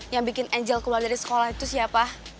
yang bikin angel keluar dari sekolah itu siapa